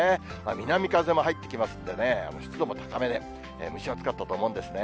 南風も入ってきますんでね、湿度も高めで、蒸し暑かったと思うんですね。